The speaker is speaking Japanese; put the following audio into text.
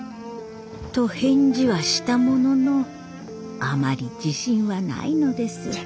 と返事はしたもののあまり自信はないのです。